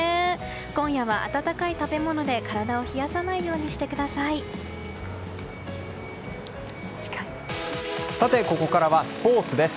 今夜は温かい食べ物で体を冷やさないようにここからはスポーツです。